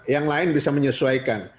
yang lain bisa menyesuaikan